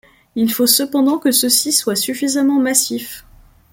Il faut cependant que ceux-ci soient suffisamment massifs.